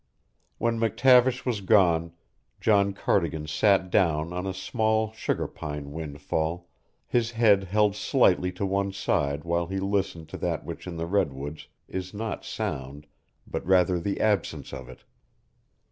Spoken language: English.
When McTavish was gone, John Cardigan sat down on a small sugar pine windfall, his head held slightly to one side while he listened to that which in the redwoods is not sound but rather the absence of it.